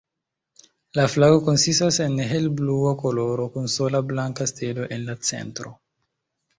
La flago konsistas el helblua koloro kun sola blanka stelo en la centro.